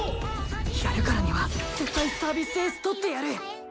やるからには、絶対にサービスエース取ってやる！